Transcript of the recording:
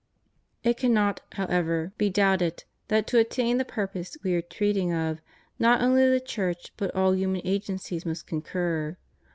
It cannot, however, be doubted that to attain the pur pose we are treating of, not only the Church but all human agencies must concur.